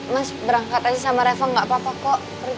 mas berangkat aja sama reva nggak apa apa kok